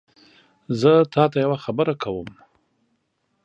زه تاته یوه خبره کوم